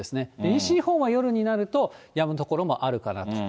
西日本は夜になるとやむ所もあるかなと。